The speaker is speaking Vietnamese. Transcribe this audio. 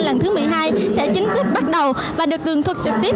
lần thứ một mươi hai sẽ chính thức bắt đầu và được tường thuật trực tiếp